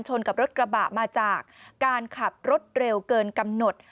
กับรถกระบะมาจากการขับรถเร็วเกินกำหนด